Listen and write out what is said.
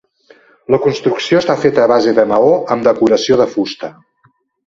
La construcció està feta a base de maó amb decoració de fusta.